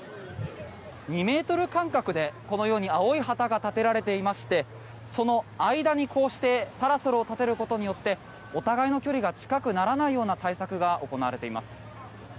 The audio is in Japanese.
２ｍ間隔で、このように青い旗が立てられていましてその間に、こうしてパラソルを立てることによってお互いの距離が近くならないような対策が行われています。